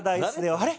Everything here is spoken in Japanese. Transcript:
あれ？